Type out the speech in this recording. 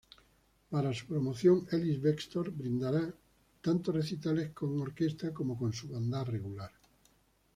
Para su promoción, Ellis-Bextor brindará tanto recitales con orquesta como con su banda regular.